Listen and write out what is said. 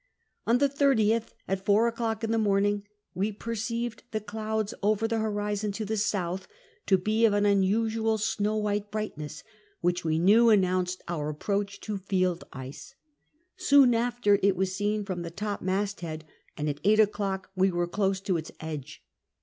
Vtlt The SOUTitEEH ICE *63 On the 30th, at four o'clock in the morning, we per ceived the clouds, over the horizon to the south, to be of an unusual snow white brightness, which we knew announced our approach to field ice. Soon after it was seen from the topinasthead, and at eight o'clock we were close to its edge.